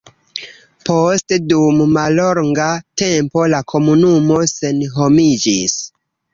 Poste dum mallonga tempo la komunumo senhomiĝis.